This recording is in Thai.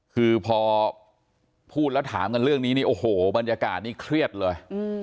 คือพอพูดแล้วถามกันเรื่องนี้นี่โอ้โหบรรยากาศนี่เครียดเลย